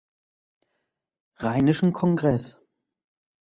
Rheinischen Kongress.